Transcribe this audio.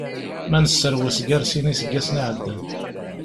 Ma neserwes gar sin n yiseggasen iɛeddan.